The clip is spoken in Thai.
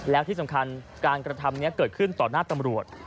แล้วที่สำคัญการกระทำนี้เกิดขึ้นต่อหน้าตำรวจ